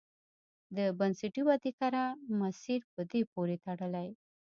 د بنسټي ودې کره مسیر په دې پورې تړلی.